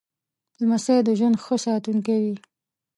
لمسی د ژوند ښه ساتونکی وي.